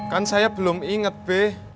kan saya belum inget deh